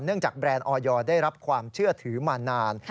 จากแบรนด์ออยได้รับความเชื่อถือมานาน